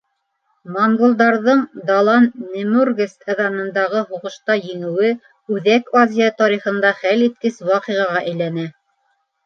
Монголдарҙың Далан-нэмургес ыҙанындағы һуғышта еңеүе Үҙәк Азия тарихында хәл иткес ваҡиғаға әйләнә.